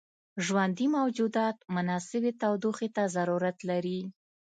ژوندي موجودات مناسبې تودوخې ته ضرورت لري.